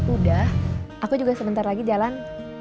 udah aku juga sebentar lagi jalan